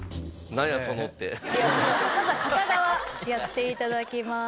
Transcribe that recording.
まずは片側やって頂きます。